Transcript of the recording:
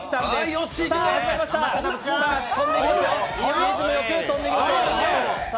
リズムよく跳んでいきますよ。